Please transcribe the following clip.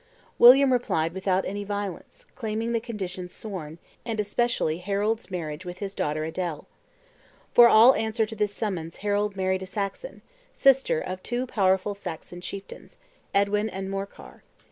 William replied without any violence, claiming the conditions sworn, and especially Harold's marriage with his daughter Adele. For all answer to this summons Harold married a Saxon, sister of two powerful Saxon chieftains; Edwin and Morkar.